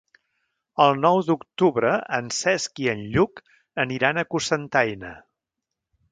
El nou d'octubre en Cesc i en Lluc aniran a Cocentaina.